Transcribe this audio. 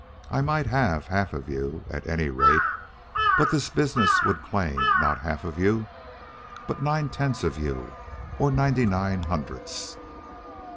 I might have half of you, at any rate. But this business would claim, not half of you, but nine tenths of you, or ninety nine hundredths.